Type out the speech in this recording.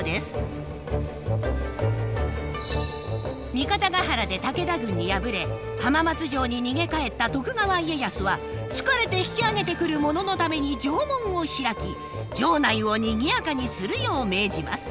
三方ヶ原で武田軍に敗れ浜松城に逃げ帰った徳川家康は疲れて引き揚げてくる者のために城門を開き城内をにぎやかにするよう命じます。